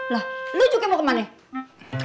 lah lo juga mau kemana